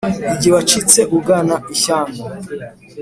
igihe wacitse ugana ishyanga